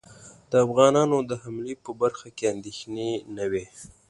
د افغانانو د حملې په برخه کې اندېښنې نه وې.